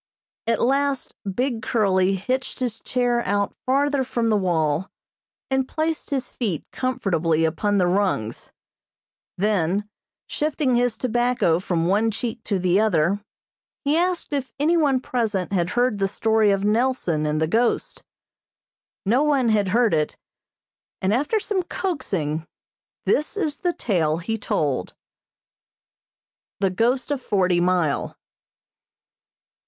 At last Big Curly hitched his chair out farther from the wall, and placed his feet comfortably upon the rungs; then, shifting his tobacco from one cheek to the other, he asked if any one present had heard the story of Nelson and the ghost. No one had heard it, and, after some coaxing, this is the tale he told. The Ghost of Forty Mile.